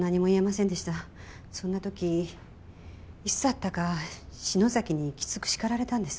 そんな時いつだったか篠崎にきつく叱られたんです。